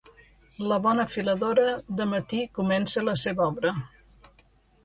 La bona filadora de matí comença la seva obra.